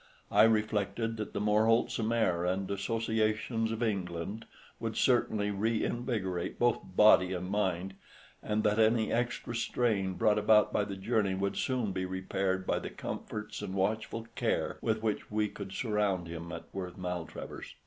I reflected that the more wholesome air and associations of England would certainly re invigorate both body and mind, and that any extra strain brought about by the journey would soon be repaired by the comforts and watchful care with which we could surround him at Worth Maltravers.